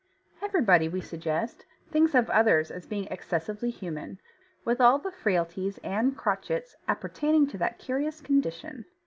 Everybody, we suggest, thinks of others as being excessively human, with all the frailties and crotchets appertaining to that curious condition.